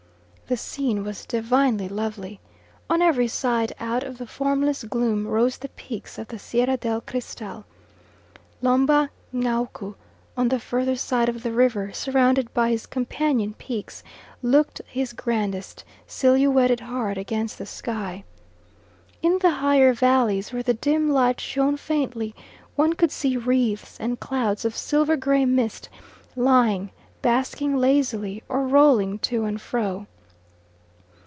The scene was divinely lovely; on every side out of the formless gloom rose the peaks of the Sierra del Cristal. Lomba ngawku on the further side of the river surrounded by his companion peaks, looked his grandest, silhouetted hard against the sky. In the higher valleys where the dim light shone faintly, one could see wreaths and clouds of silver gray mist lying, basking lazily or rolling to and fro.